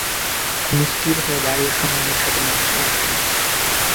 কেন স্থির হয়ে দাঁড়িয়ে সম্মানের সাথে মরছ না?